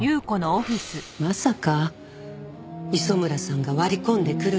まさか磯村さんが割り込んでくるなんて。